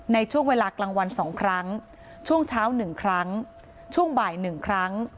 ในช่วงเวลากลางวัน๒ครั้งช่วงเช้า๑ครั้งช่วงบ่าย๑ครั้ง